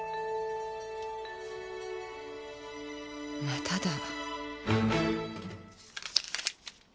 まただ。